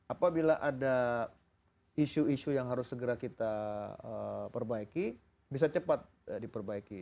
apabila ada isu isu yang harus segera kita perbaiki bisa cepat diperbaiki